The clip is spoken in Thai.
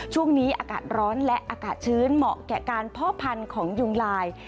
ช่วงนี้อากาศร้อนและอากาศชื้นเหมาะแก่การเพาะพันธุ์ของยุงลาย